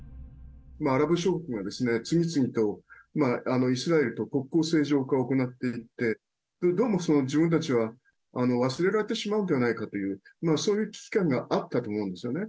アラブ諸国が次々とイスラエルと国交正常化を行っていて、どうも自分たちは忘れられてしまうのではないかという、そういう危機感があったと思うんですよね。